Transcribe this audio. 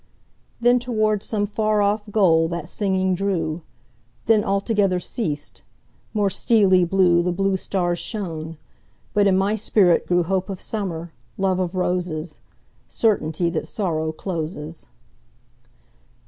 Then toward some far off goal that singing drew; Then altogether ceas'd; more steely blueThe blue stars shone; but in my spirit grewHope of Summer, love of Roses, Certainty that Sorrow closes.